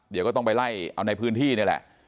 เดี๋ยวก็ต้องไปไล่เอาในพื้นที่นี่แหละ